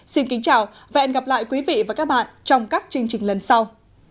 xin kính chào và hẹn gặp lại quý vị và các bạn trong các chương trình lần sau